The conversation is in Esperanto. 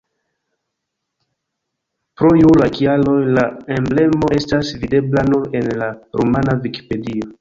Pro juraj kialoj la emblemo estas videbla nur en la rumana vikipedio.